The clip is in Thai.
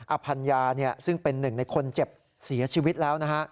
อภัญญาซึ่งเป็นหนึ่งในคนเจ็บเสียชีวิตแล้วนะฮะ